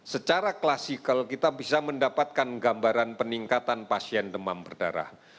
secara klasikal kita bisa mendapatkan gambaran peningkatan pasien demam berdarah